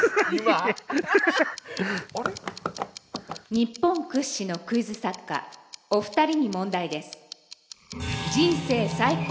「日本屈指のクイズ作家お二人に問題です」。